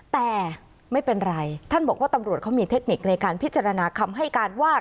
แต่ไม่เป็นไรท่านบอกว่าตำรวจเขามีเทคนิคในการพิจารณาคำให้การว่า